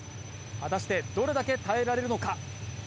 果たしてどれだけ耐えられるのか？